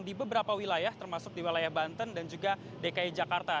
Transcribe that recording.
di beberapa wilayah termasuk di wilayah banten dan juga dki jakarta